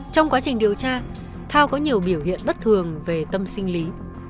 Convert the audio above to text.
trong quá trình điều tra thao có nhiều biểu hiện bất thường về tâm sinh lý